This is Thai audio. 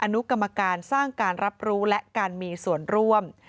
อนุกรรมการสร้างการรับรู้และการมีส่วนร่วม